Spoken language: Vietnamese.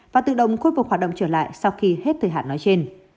và tự động khôi phục hoạt động trở lại sau khi hết thời hạn nói trên